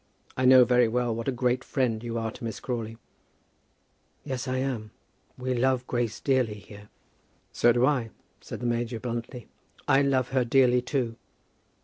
I know very well what a great friend you are to Miss Crawley." "Yes, I am. We love Grace dearly here." "So do I," said the major, bluntly; "I love her dearly, too."